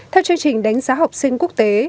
theo chương trình đánh giá học sinh quốc tế